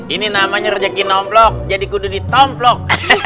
ini namanya rejeki nomplok jadi kududit omplok